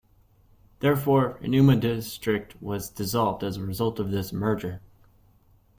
Therefore, Enuma District was dissolved as a result of this merger.